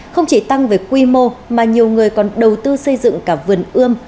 không chỉ tăng về quy mô mà nhiều người còn đầu tư xây dựng cả vườn ươm